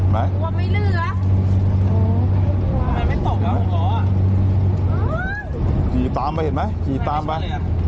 ไม่ตกแล้วหรออ๋อตามไปเห็นไหมตามไป